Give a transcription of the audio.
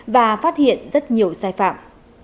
và phát hiện rất nhiều sai phạm